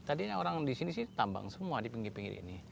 tadinya orang di sini sih tambang semua di pinggir pinggir ini